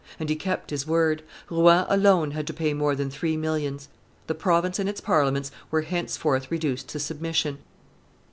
And he kept his word: Rouen alone had to pay more than three millions. The province and its Parliament were henceforth reduced to submission.